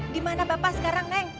dimana bapak sekarang neng